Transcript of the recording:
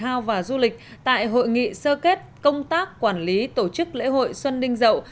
thể thao và du lịch tại hội nghị sơ kết công tác quản lý tổ chức lễ hội xuân đinh dậu